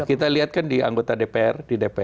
kita lihat kan di anggota dpr